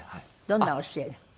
どんな教え？